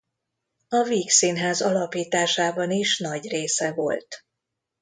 A Vígszínház alapításában is nagy része volt.